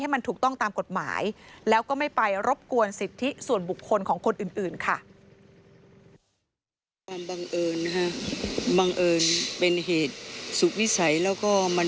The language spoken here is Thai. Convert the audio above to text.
มันถูกต้องตามกฎหมายแล้วก็ไม่ไปรบกวนสิทธิส่วนบุคคลของคนอื่นค่ะ